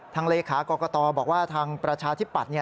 ทางเลขากอกกะตอบอกว่าทางประชาชนิดปัด